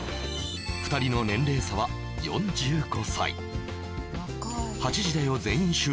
２人の年齢差は４５歳「８時だョ！